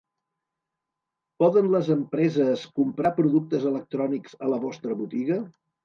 Poden les empreses comprar productes electrònics a la vostra botiga?